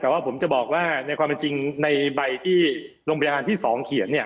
แต่ว่าผมจะบอกว่าในความเป็นจริงในใบที่โรงพยาบาลที่๒เขียนเนี่ย